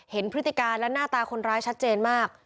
พฤติการและหน้าตาคนร้ายชัดเจนมาก